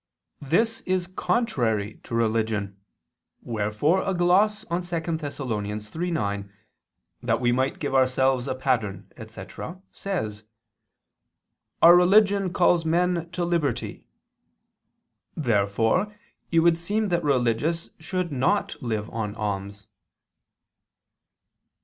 This is contrary to religion, wherefore a gloss on 2 Thess. 3:9, "That we might give ourselves a pattern," etc., says, "our religion calls men to liberty." Therefore it would seem that religious should not live on alms.